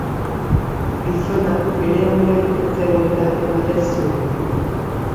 Gizona bere onean ez zegoela ematen zuen.